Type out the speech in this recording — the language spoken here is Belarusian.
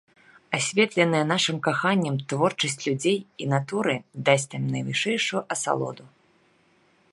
Асветленая нашым каханнем творчасць людзей і натуры дасць нам найвышэйшую асалоду.